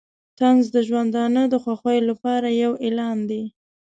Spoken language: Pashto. طنز د ژوندانه د خوښیو لپاره یو اعلان دی.